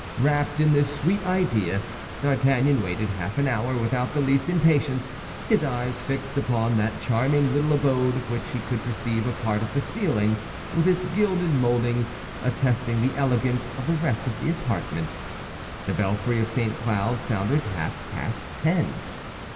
Wrapped in this sweet idea, D'Artagnan waited half an hour without the least impatience, his eyes fixed upon that charming little abode of which he could perceive a part of the ceiling with its gilded moldings, attesting the elegance of the rest of the apartment. The belfry of St. Cloud sounded half past ten.